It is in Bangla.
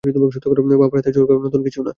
বাবার হাতে তোমার চড় খাওয়া নতুন কিছু না।